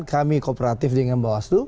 kami kooperatif dengan mbak astu